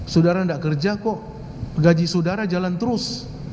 sudara enggak kerja kok gaji sudara jalan terus